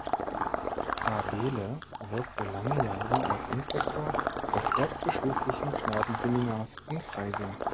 Abele wirkte lange Jahre als Inspektor des Erzbischöflichen Knabenseminars in Freising.